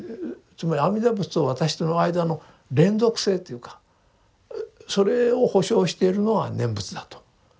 つまり阿弥陀仏を私との間の連続性っていうかそれを保証しているのは念仏だと。